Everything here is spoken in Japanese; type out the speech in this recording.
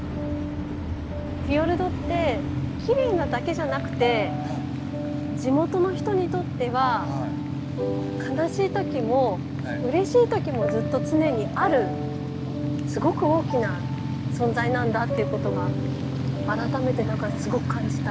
フィヨルドってきれいなだけじゃなくて地元の人にとっては悲しい時もうれしい時もずっと常にあるすごく大きな存在なんだってことが改めてすごく感じた。